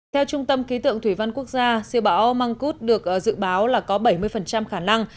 theo trung tâm ký tượng thủy văn quốc gia siêu bão măng cút được dự báo là có bảy mươi khả năng